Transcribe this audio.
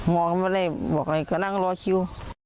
ไม่ได้บอกอะไรก็นั่งรอคิว